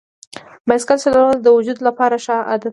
بایسکل چلول د وجود لپاره ښه عادت دی.